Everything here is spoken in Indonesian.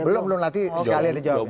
belum belum nanti sekalian dia jawab